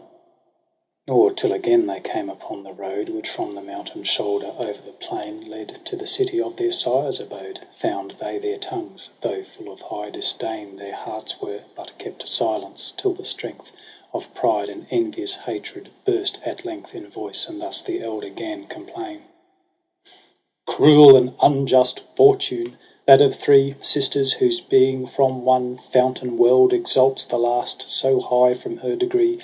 JUNE iij iz Nor till again they came upon the road, Which from the mountain shoulder o'er the plain Led to the city of their sire's abode, Found they their tongues, though fuU of high disdain Their hearts were, but kept silence, till the strength Of pride and envious hatred burst at length In voice, and thus the elder gan complain : I? ' Cruel and unjust fortune ! that of three Sisters, whose being from one fountain well'd. Exalts the last so high from her degree.